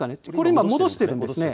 今戻しているんです。